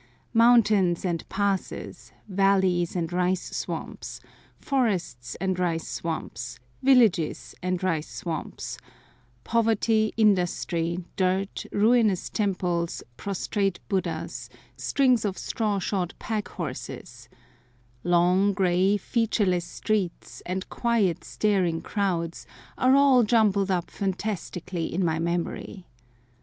Mountains and passes, valleys and rice swamps, forests and rice swamps, villages and rice swamps; poverty, industry, dirt, ruinous temples, prostrate Buddhas, strings of straw shod pack horses; long, grey, featureless streets, and quiet, staring crowds, are all jumbled up fantastically in my memory.